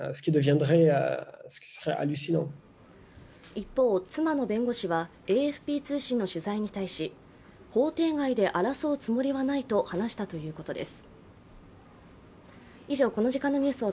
一方、妻の弁護士はＡＦＰ通信の取材に対し法廷外で争うつもりはないと話したということです。